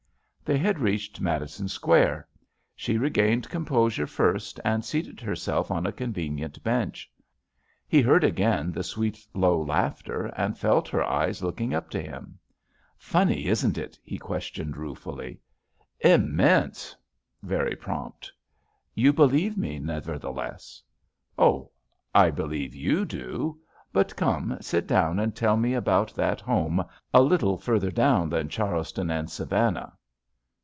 They had reached Madison Square. She regained composure first and seated herself on a convenient bench. He heard again the sweet, low laughter and felt her eyes looking up to him. "Funny, isn't it?" he questioned ruefully. "Immense I" Very prompt. "You believe me, nevertheless." y JUST SWEETHEARTS "Oh, I believe you do. But come, sit down and tell me about that home, a little further down than Charleston and Savannah.